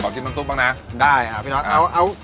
ขอดิ้นมันตุ๊บบ้างนะได้ฮะพี่เอาเอา